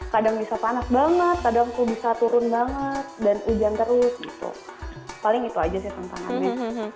kadang bisa panas banget kadang aku bisa turun banget dan hujan terus gitu paling itu aja sih tantangannya